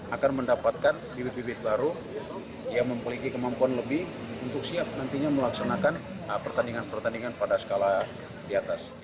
akan mendapatkan bibit bibit baru yang memiliki kemampuan lebih untuk siap nantinya melaksanakan pertandingan pertandingan pada skala di atas